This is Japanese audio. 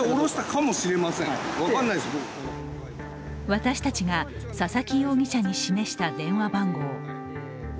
私たちが、佐々木容疑者に示した電話番号。